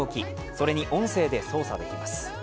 それに音声で操作できます。